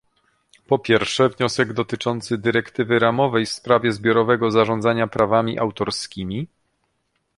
Po pierwsze, wniosek dotyczący dyrektywy ramowej w sprawie zbiorowego zarządzania prawami autorskimi